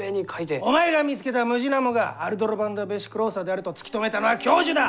お前が見つけたムジナモがアルドロヴァンダ・ヴェシクローサであると突き止めたのは教授だ！